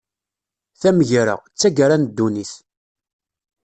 Tamegra, d taggara n ddunit.